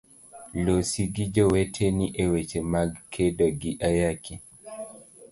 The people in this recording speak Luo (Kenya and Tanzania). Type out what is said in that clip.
Losi gi joweteni eweche mag kedo gi ayaki.